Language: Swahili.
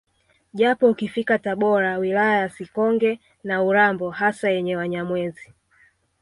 Japo ukifika Tabora wilaya ya Sikonge na Urambo hasa yenye Wanyamwezi